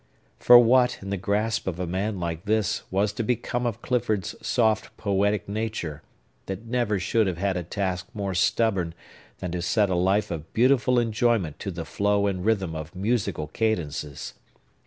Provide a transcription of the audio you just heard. For what, in the grasp of a man like this, was to become of Clifford's soft poetic nature, that never should have had a task more stubborn than to set a life of beautiful enjoyment to the flow and rhythm of musical cadences!